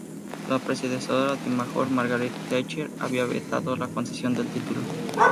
La predecesora de Major, Margaret Thatcher, había vetado la concesión del título.